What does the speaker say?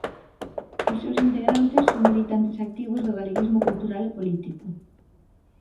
Os seus integrantes son militantes activos do galeguismo cultural e político.